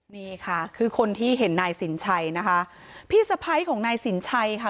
นี่ค่ะคือคนที่เห็นนายสินชัยนะคะพี่สะพ้ายของนายสินชัยค่ะ